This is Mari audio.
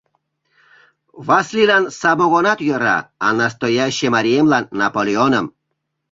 Васлийлан самогонат йӧра, а настояще мариемлан — «Наполеоным»!